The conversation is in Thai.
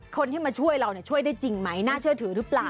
คนที่มาช่วยเราช่วยได้จริงไหมน่าเชื่อถือหรือเปล่า